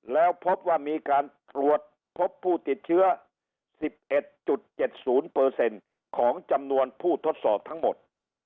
แล้วพบว่ามีการตรวจพบผู้ติดเชื้อ๑๑๗๐ของจำนวนผู้ทดสอบทั้งหมด